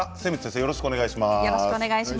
よろしくお願いします。